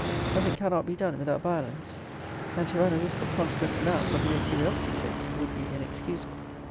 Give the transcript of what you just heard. But it cannot be done without violence. And to run a risk of consequence now, for mere curiosity sake, would be inexcusable.